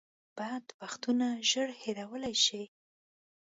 بد وختونه ژر هېرولی شئ .